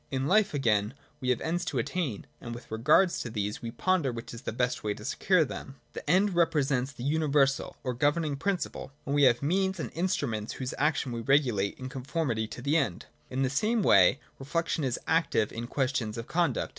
In life, again, we have ends to attain. And with regard to these we ponder which is the best way to secure them. The end here re presents the universal or governing principle : and we have means and instruments whose action we regulate in con formity to the end. In the same way reflection is active in questions of conduct.